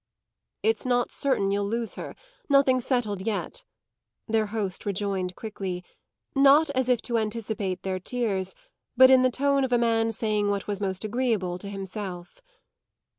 "It's not certain you'll lose her; nothing's settled yet," their host rejoined quickly; not as if to anticipate their tears, but in the tone of a man saying what was most agreeable to himself.